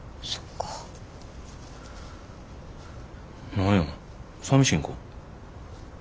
何やさみしいんか？